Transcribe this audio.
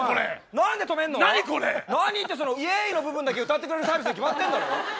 何って「イェーイ」の部分だけ歌ってくれるサービスに決まってんだろ。